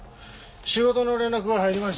仕事の連絡が入りました。